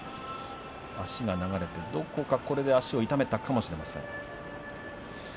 足が流れてどこか足を痛めたかもしれません。